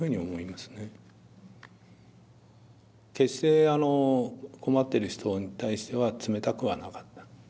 決して困っている人に対しては冷たくはなかった。